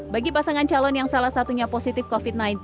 bagi pasangan calon yang salah satunya positif covid sembilan belas